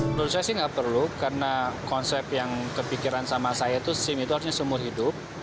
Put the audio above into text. menurut saya sih nggak perlu karena konsep yang kepikiran sama saya itu sim itu harusnya seumur hidup